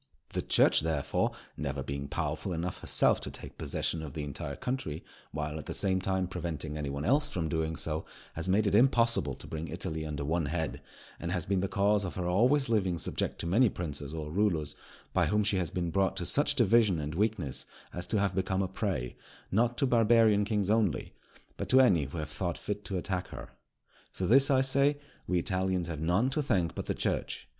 The Church, therefore, never being powerful enough herself to take possession of the entire country, while, at the same time, preventing any one else from doing so, has made it impossible to bring Italy under one head; and has been the cause of her always living subject to many princes or rulers, by whom she has been brought to such division and weakness as to have become a prey, not to Barbarian kings only, but to any who have thought fit to attack her. For this, I say, we Italians have none to thank but the Church.